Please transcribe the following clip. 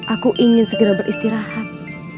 aku ingin segera beristirahat